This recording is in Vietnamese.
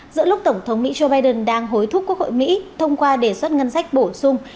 giữa lúc tổng thống mỹ joe biden đang hối thúc quốc hội mỹ thông qua đề xuất ngân sách bổ sung